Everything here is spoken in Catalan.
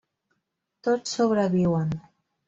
Tots sobreviuen.